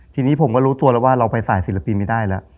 ทีนี้ผมก็รู้ตัวแล้วว่าเราไปสายศิลปินไม่ได้แล้ว